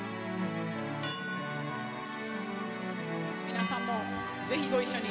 皆さんもぜひご一緒に。